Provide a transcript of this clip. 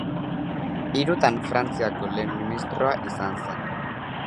Hirutan Frantziako lehen ministroa izan zen.